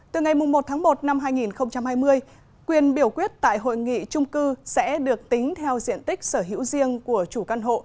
từ ngày một tháng một năm hai nghìn hai mươi quyền biểu quyết tại hội nghị trung cư sẽ được tính theo diện tích sở hữu riêng của chủ căn hộ